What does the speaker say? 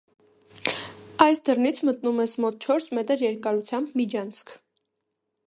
Այս դռնից մտնում ես մոտ չորս մետր երկարությամբ միջանցք: